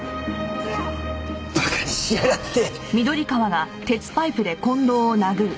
馬鹿にしやがって。